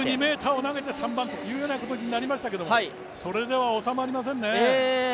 ２２ｍを投げて３番というようなことになりましたけどそれでは収まりませんね！